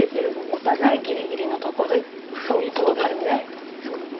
お互いギリギリのところで踏みとどまるみたいなことですか。